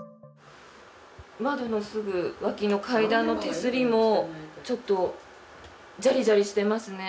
窓のすぐ脇の階段の手すりもちょっとじゃりじゃりしてますね。